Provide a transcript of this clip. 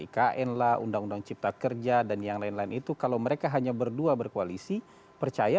ikn lah undang undang cipta kerja dan yang lain lain itu kalau mereka hanya berdua berkoalisi percaya